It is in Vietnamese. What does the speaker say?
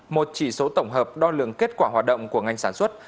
một chỉ số tổng hợp đo lường kết quả hoạt động của ngành sản xuất